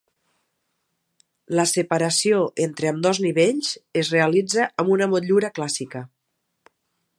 La separació entre ambdós nivells es realitza amb una motllura clàssica.